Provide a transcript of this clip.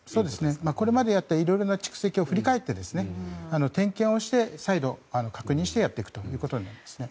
これまでやったいろいろな蓄積を振り返って点検をして再度確認してやっていくということですね。